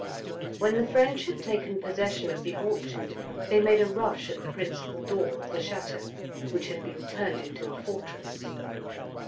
When the French had taken possession of the orchard, they made a rush at the principal door of the chateau, which had been turned into a fortress.